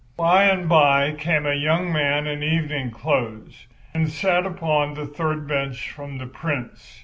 By and by came a young man in evening clothes and sat upon the third bench from the Prince.